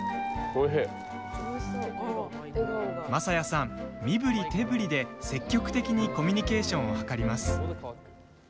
匡哉さん、身ぶり手ぶりで積極的にコミュニケーションを図ります。